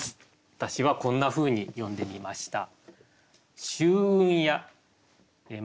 私はこんなふうに詠んでみました。